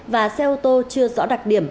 và xe ô tô chưa rõ đặc điểm